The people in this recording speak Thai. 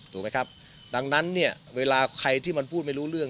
ถูกไหมครับดังนั้นเนี่ยเวลาใครที่มันพูดไม่รู้เรื่อง